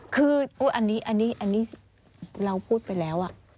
คืออันนี้อันนี้อันนี้เราพูดไปแล้วอ่ะ